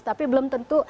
tapi belum tentu